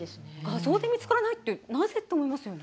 それで見つからないとなぜ？と思いますよね。